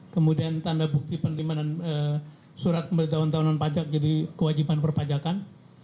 kemudian tanda bukti penerimaan surat pemberitahuan tahunan pajak jadi kewajiban perpajakan